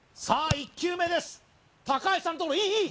さあ１球目です高橋さんともいいいい！